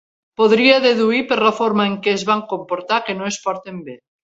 Podria deduir per la forma en què es van comportar, que no es porten bé.